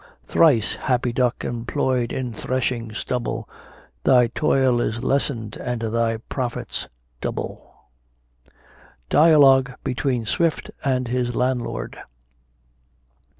Thrice happy Duck, employed in threshing stubble, Thy toil is lessen'd and thy profits double. DIALOGUE BETWEEN SWIFT AND HIS LANDLORD.